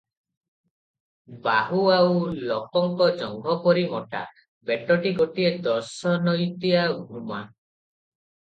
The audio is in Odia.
ବାହୁ ଆଉ ଲୋକଙ୍କ ଜଙ୍ଘ ପରି ମୋଟା, ପେଟଟି ଗୋଟିଏ ଦଶ ନୌତିଆ ଘୁମା ।